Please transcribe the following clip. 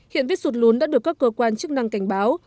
hiện vết sụt lún đã được các cơ quan chức năng cảnh báo